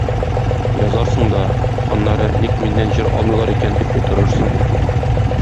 Язарсың да, аннары "ник миннән җыр алмыйлар икән?" дип утырырсың.